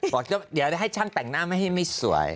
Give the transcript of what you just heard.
บอกเดี๋ยวให้ฉันแต่งหน้าให้ไม่สวย